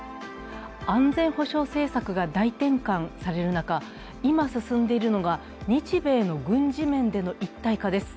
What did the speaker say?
安全保障政策が大転換される中、今進んでいるのが日米の軍事面での一体化です。